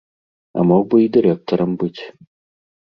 А мог бы і дырэктарам быць.